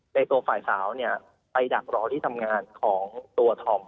ในตัวฝ่ายสาวเนี่ยไปดักรอที่ทำงานของตัวธอม